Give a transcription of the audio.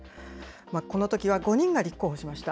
このときは５人が立候補しました。